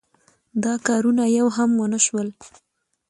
دا کارونه یو هم ونشول.